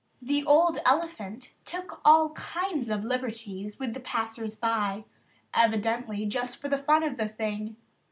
The old elephant took all kinds of liberties with the passers by, evidently just for the fun of the thing.